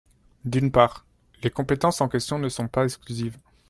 D’une part, les compétences en question ne sont pas totalement exclusives.